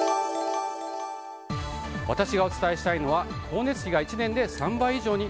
私がお伝えしたいのは光熱費が１年で３倍以上に？